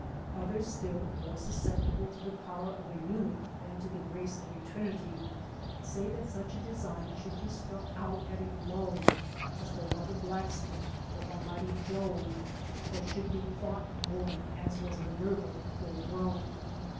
Others still, more susceptible to the power of a unit than to the grace of a trinity, say that such a design should be struck out at a blow, as though by a blacksmith or by mighty Jove, or should be thought born, as was Minerva, full grown.